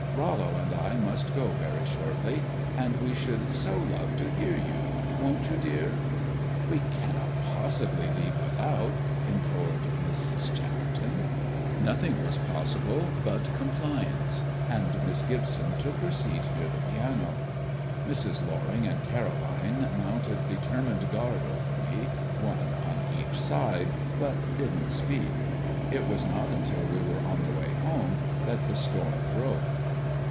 Rollo and I must go very shortly, and we should so love to hear you. Won't you, dear?" "We cannot possibly leave without," implored Mrs. Chatterton. Nothing was possible but compliance, and Miss Gibson took her seat near the piano. Mrs. Loring and Caroline mounted determined guard over me, one on each side, but didn't speak. It was not until we were on the way home that the storm broke.